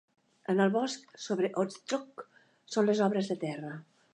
En el bosc sobre Odstock són les obres de terra.